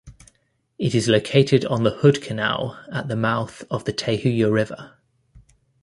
It is located on the Hood Canal at the mouth of the Tahuya River.